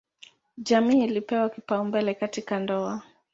Jamii ilipewa kipaumbele katika ndoa.